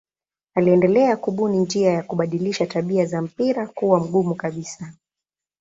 Aliendelea kubuni njia ya kubadilisha tabia za mpira kuwa mgumu kabisa.